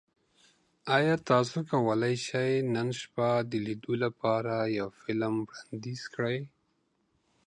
ایا تاسو کولی شئ نن شپه د لیدو لپاره یو فلم وړاندیز کړئ؟